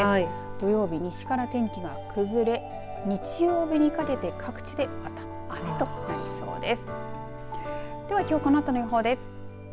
土曜日、西から天気が崩れ日曜日にかけて各地でまた雨となりそうです。